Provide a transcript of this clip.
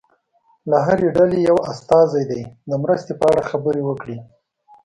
له هرې ډلې یو استازی دې د مرستې په اړه خبرې وکړي.